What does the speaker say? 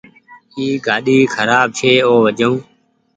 اي گآڏي کراب ڇي او وجون۔